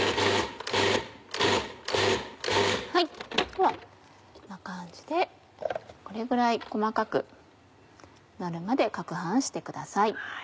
ではこんな感じでこれぐらい細かくなるまで攪拌してください。